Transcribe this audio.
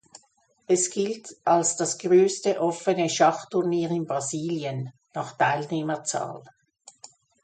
Es gilt als das größte offene Schachturnier in Brasilien (nach Teilnehmerzahl).